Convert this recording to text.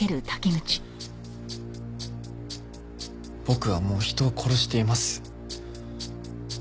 僕はもう人を殺しています。